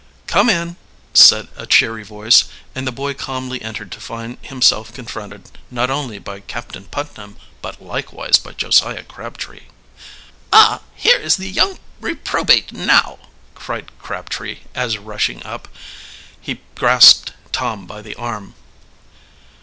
"Come in," said a cheery voice, and the boy calmly entered to find himself confronted not only by Captain Putnam, but likewise by Josiah Crabtree. "Ah! Here is the young reprobate now!" cried Crabtree, as rushing up, he grasped Tom by the arm.